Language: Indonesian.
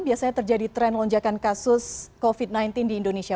biasanya terjadi tren lonjakan kasus covid sembilan belas di indonesia